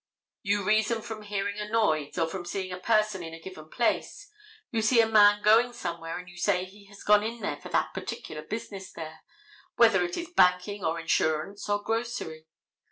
You reason from hearing a noise or from seeing a person in a given place. You see a man going somewhere and you say he has gone in there for that particular business there, whether it is banking or insurance or grocery.